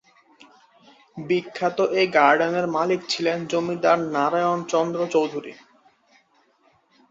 বিখ্যাত এই গার্ডেনের মালিক ছিলেন জমিদার নারায়ণ চন্দ্র চৌধুরী।